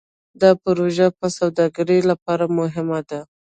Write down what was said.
دا پروژه د سوداګرۍ لپاره مهمه ده.